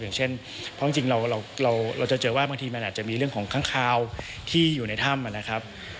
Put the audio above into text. อย่างเช่นเพราะจริงเราจะเจอว่าบางทีมันอาจจะมีเรื่องของค้างคาวที่อยู่ในถ้ำนะครับ